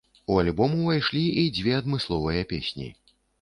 У альбом ўвайшлі і дзве адмысловыя песні.